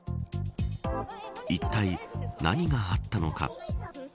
いったい何があったのか。